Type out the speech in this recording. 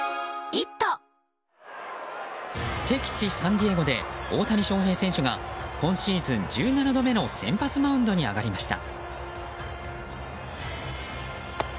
敵地サンディエゴで大谷翔平選手が今シーズン１７度目の先発マウンドに上がりました。